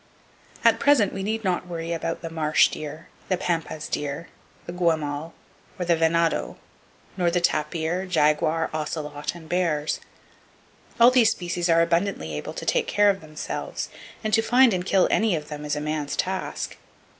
At present, we need not worry about the marsh deer, the pampas deer, the guemal, or the venado, nor the tapir, jaguar, ocelot and bears. All these species are abundantly able to take care of themselves; and to find and kill any one of them is a man's task.